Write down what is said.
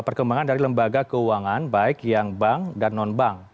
perkembangan dari lembaga keuangan baik yang bank dan non bank